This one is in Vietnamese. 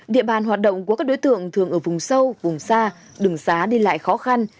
địa bàn hoạt động của các đối tượng thường ở vùng sâu vùng xa đường xá đi lại khó khăn